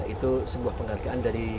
itu sebuah penghargaan dari